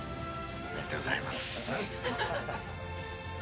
ありがとうございます。